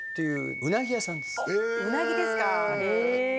うなぎですかへえ